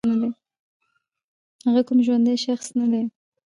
هغه کوم ژوندی شخص نه دی